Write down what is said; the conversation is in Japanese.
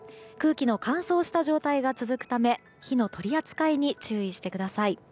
空気の乾燥した状態が続くため火の取り扱いに注意してください。